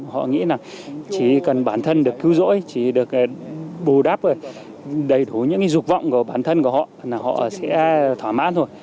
họ nghĩ là chỉ cần bản thân được cứu rỗi chỉ được bù đắp đầy đủ những cái dục vọng của bản thân của họ là họ sẽ thỏa mãn thôi